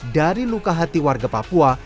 dari luka hati warga papua